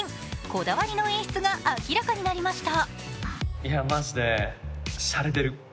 こだわりの演出が明らかになりました。